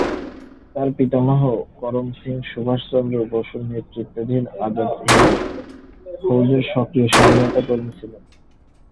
তার পিতামহ করম সিং সুভাষচন্দ্র বসু’র নেতৃত্বাধীন আজাদ হিন্দ ফৌজের সক্রিয় স্বাধীনতা কর্মী ছিলেন।